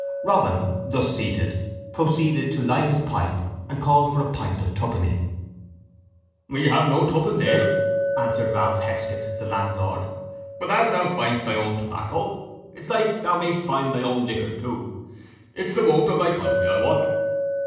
Robin, thus seated, proceeded to light his pipe and call for a pint of twopenny. "We have no twopence ale," answered Ralph Heskett, the landlord; "but, as thou find'st thy own tobacco, it's like thou mayst find thy own liquor too; it's the wont of thy country, I wot."